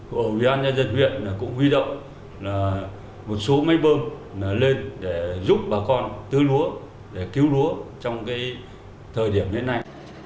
của ủy ban nhân dân huyện cũng huy động một số máy bơm lên để giúp bà con tưới lúa để cứu lúa trong thời điểm hiện nay